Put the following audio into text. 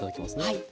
はい。